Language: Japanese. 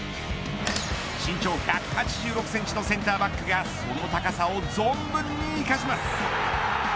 身長１８６センチのセンターバックがその高さを存分に生かします。